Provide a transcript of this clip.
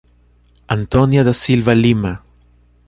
Antônia da Silva Lima